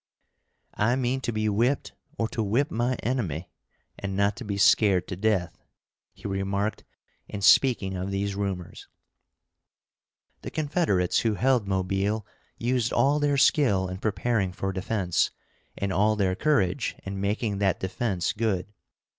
"I mean to be whipped or to whip my enemy, and not to be scared to death," he remarked in speaking of these rumors. The Confederates who held Mobile used all their skill in preparing for defense, and all their courage in making that defense good.